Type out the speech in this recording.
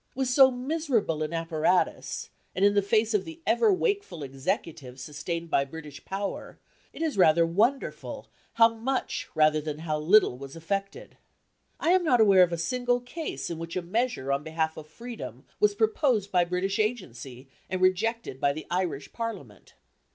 With so miserable an apparatus, and in the face of the ever wakeful Executive sustained by British power, it is rather wonderful how much than how little was effected. I am not aware of a single case in which a measure on behalf of freedom was proposed by British agency, and rejected by the Irish Parliament.